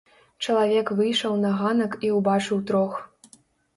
Чалавек выйшаў на ганак і ўбачыў трох.